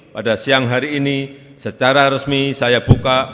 pada siang hari ini secara resmi saya buka